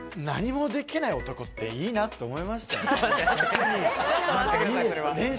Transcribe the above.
何もできない男って、いいなと思いましたね。